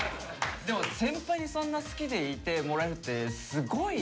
でも先輩にそんな好きでいてもらえるってすごい。